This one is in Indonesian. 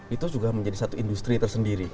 itu juga menjadi satu industri tersendiri